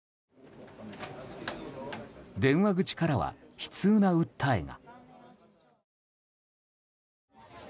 電話口からは悲痛な訴えが。